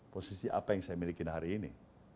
posisi apa yang saya miliki hari ini